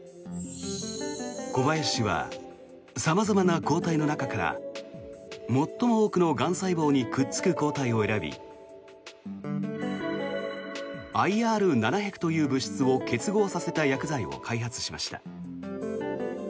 小林氏は様々な抗体の中から最も多くのがん細胞にくっつく抗体を選びＩＲ７００という物質を結合させた薬剤を開発しました。